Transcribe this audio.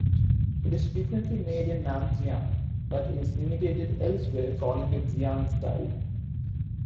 It is frequently made in Nanxiang, but is imitated elsewhere, calling it Xiang-style.